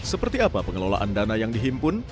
seperti apa pengelolaan dana yang dihimpun